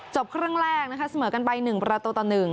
จบครึ่งแรกเสมอกันไป๑ประโลตะหนึ่ง